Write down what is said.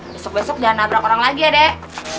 besok besok jangan nabrak orang lagi ya dek